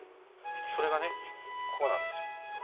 それがねこれなんですよ。